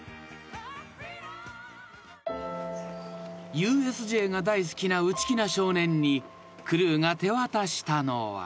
［ＵＳＪが大好きな内気な少年にクルーが手渡したのは］